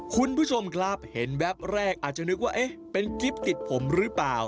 คุณผู้ชมครับเห็นแวบแรกอาจจะนึกว่าเอ๊ะเป็นกิ๊บติดผมหรือเปล่า